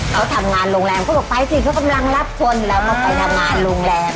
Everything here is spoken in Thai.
เขาทำงานโรงแรมเขาบอกไปสิเขากำลังรับคนแล้วก็ไปทำงานโรงแรม